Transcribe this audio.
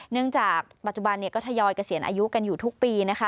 จากปัจจุบันก็ทยอยเกษียณอายุกันอยู่ทุกปีนะคะ